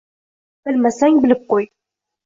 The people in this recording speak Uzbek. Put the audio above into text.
Bilmasang, bilib qo`y